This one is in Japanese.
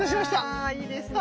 あいいですね。